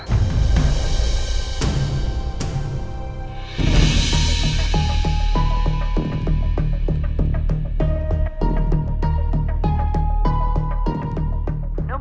nomor yang anda tuju